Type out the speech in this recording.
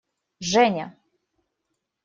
Женя!